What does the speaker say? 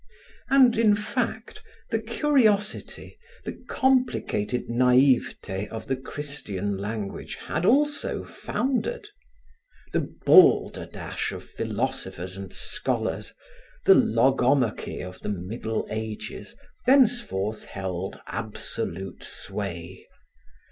And, in fact, the curiosity, the complicated naivete of the Christian language had also foundered. The balderdash of philosophers and scholars, the logomachy of the Middle Ages, thenceforth held absolute sway.